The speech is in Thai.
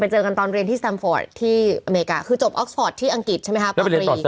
เจอกันตอนเรียนที่แซมฟอร์ตที่อเมริกาคือจบออกฟอร์ตที่อังกฤษใช่ไหมคะปอตรี